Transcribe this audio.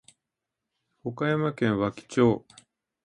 岡山県和気町